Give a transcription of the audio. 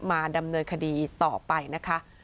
มาดำเนินคดีต่อไปนะคะ